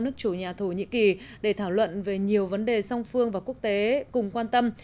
nước chủ nhà thổ nhĩ kỳ để thảo luận về nhiều vấn đề song phương và quốc tế cùng quan tâm